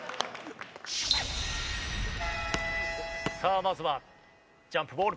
まずはジャンプボール。